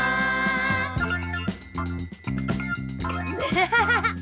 ハハハハハ！